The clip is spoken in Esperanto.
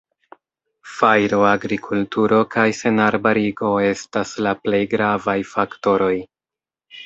Fajro, agrikulturo kaj senarbarigo estas la plej gravaj faktoroj.